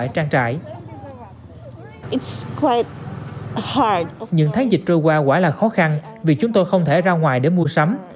những tháng dịch trôi qua quả là khó khăn vì chúng tôi không thể ra ngoài để mua sắm